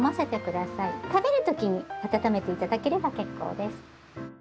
食べる時に温めて頂ければ結構です。